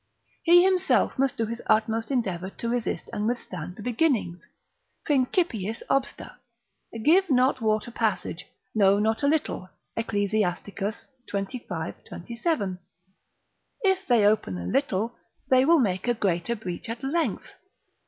He himself must do his utmost endeavour to resist and withstand the beginnings. Principiis obsta, Give not water passage, no not a little, Ecclus. xxv. 27. If they open a little, they will make a greater breach at length.